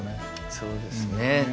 そうですね。